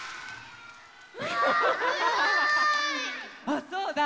あっそうだ。